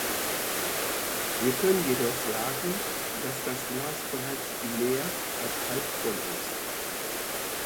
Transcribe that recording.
Wir können jedoch sagen, dass das Glas bereits mehr als halbvoll ist.